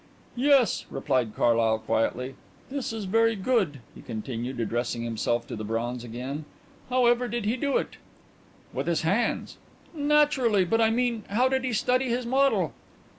"Yes," replied Carlyle quietly. "This is very good," he continued, addressing himself to the bronze again. "How ever did he do it?" "With his hands." "Naturally. But, I mean, how did he study his model?"